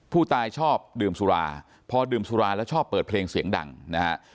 ผู้ตายชอบดื่มสุราพอดื่มสุราแล้วชอบเปิดเพลงเสียงดังนะฮะ